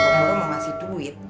mau kasih duit